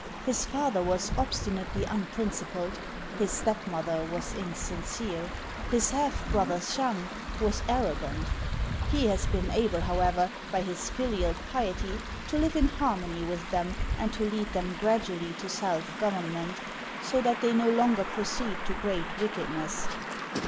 His father was obstinately unprincipled; his stepmother was insincere; his half brother Seang was arrogant. He has been able, however, by his filial piety to live in harmony with them, and to lead them gradu ally to self government, so that they no longer proceed to great wickedness."